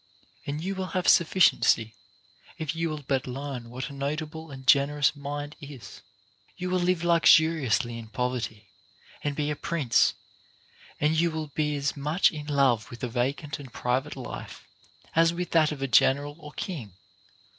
And you will have sufficiency, if you will but learn what a notable and generous mind is. You will live luxuriously in poverty, and be a prince ; and OF VIRTUE AND VICE. 485 you will be as much in love with a vacant and private life as with that of a general or king.